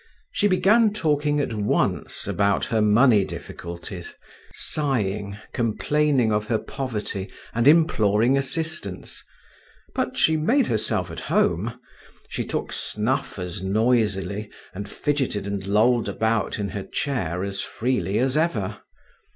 She began talking at once about her money difficulties, sighing, complaining of her poverty, and imploring assistance, but she made herself at home; she took snuff as noisily, and fidgeted and lolled about in her chair as freely as ever.